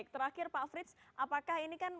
terakhir pak frits apakah ini kan